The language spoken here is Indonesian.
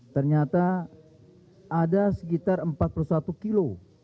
ternyata ada sekitar empat puluh satu kilo